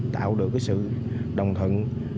tạo được cái sự đồng thuận